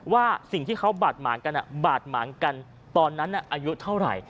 ว่าสิ่งที่เขาบาดหมางกันบาดหมางกันตอนนั้นอายุเท่าไหร่